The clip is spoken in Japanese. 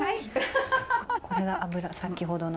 これが脂先ほどの。